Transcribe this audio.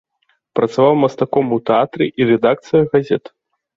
Працаваў мастаком у тэатры і рэдакцыях газет.